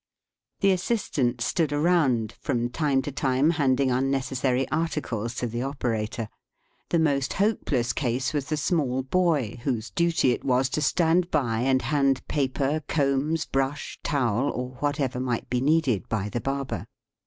The assistants stood around, from time to time handing unnecessary articles to the operator. The most hopeless case was the small boy, whose duty it was to stand by and hand paper, combs, brush, towel, or what ever might be needed by the barber.